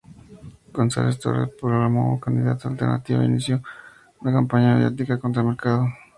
González Torres se proclamó candidato de Alternativa e inició una campaña mediática contra Mercado.